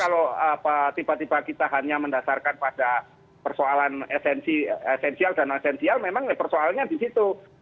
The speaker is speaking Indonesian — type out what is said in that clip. karena kalau tiba tiba kita hanya mendasarkan pada persoalan esensial dan non esensial memang persoalannya di situ